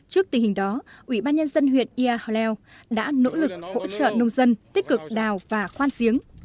trước tình hình đó ủy ban nhân dân huyện yia hò lèo đã nỗ lực hỗ trợ nông dân tích cực đào và khoan giếng